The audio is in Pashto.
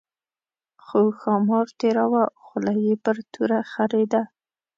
خو ښامار تېراوه خوله یې پر توره خرېده.